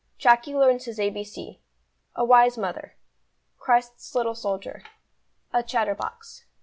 Jacky learns his A B C. A wise mother. Christ's little soldier. A chatterbox.